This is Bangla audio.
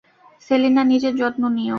সেলিনা, নিজের যত্ন নিও।